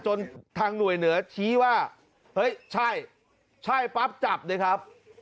ทางหน่วยเหนือชี้ว่าเฮ้ยใช่ใช่ปั๊บจับเลยครับ